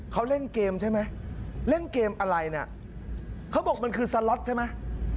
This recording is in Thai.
เขาเล่นเกมใช่ไหมเล่นเกมอะไรน่ะเขาบอกมันคือสล็อตใช่ไหม